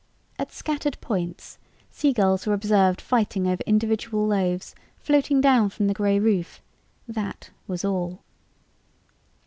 At scattered points, seagulls were observed fighting over individual loaves floating down from the gray roof that was all.